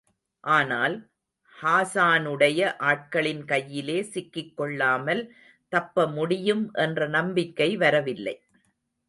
ஆனால், ஹாஸானுடைய ஆட்களின் கையிலே சிக்கிக்கொள்ளாமல் தப்பமுடியும் என்ற நம்பிக்கை வரவில்லை.